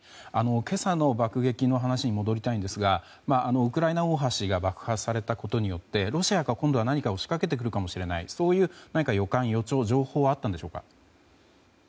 今朝の爆撃の話に戻りたいんですがウクライナ大橋が爆破されたことによってロシアが今度は何かを仕掛けてくるかもしれないそういう予感、予兆情報はあったのでしょうか。